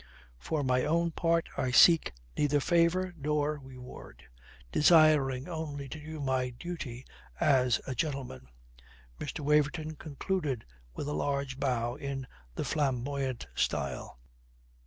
For my own part I seek neither favour nor reward, desiring only to do my duty as a gentleman." Mr. Waverton concluded with a large bow in the flamboyant style.